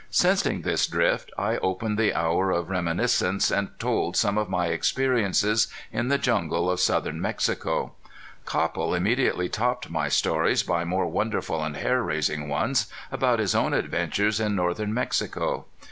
Sensing this drift I opened the hour of reminiscence and told some of my experiences in the jungle of southern Mexico. Copple immediately topped my stories by more wonderful and hair raising ones about his own adventures in northern Mexico.